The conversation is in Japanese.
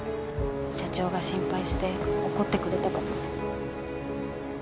社長が心配して怒ってくれたから。